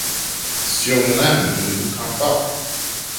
Sur mon âme, je ne vous crains pas!